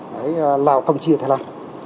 đấy lào công tri ở thái lan